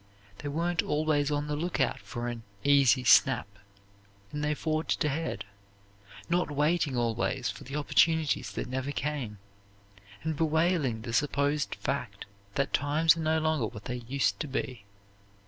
They weren't always on the lookout for an 'easy snap' and they forged ahead, not waiting always for the opportunities that never came, and bewailing the supposed fact that times are no longer what they used to be."